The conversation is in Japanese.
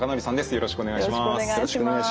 よろしくお願いします。